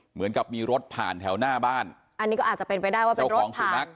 เหมือนกับมีรถผ่านแถวหน้าบ้านอันนี้ก็อาจจะเป็นไปได้ว่าเป็นรถของสุนัข